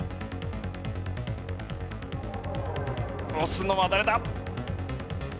押すのは誰だ？